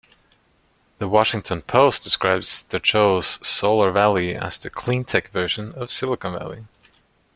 The Washington Post describes Dezhou's Solar Valley as the "clean-tech version of Silicon Valley".